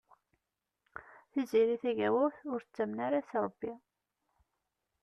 Tiziri Tagawawt ur tettamen ara s Ṛebbi.